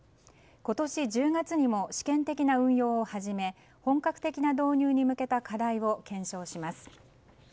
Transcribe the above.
今年１０月にも試験的な運用を始め本格的な導入に向けた課題を検証します。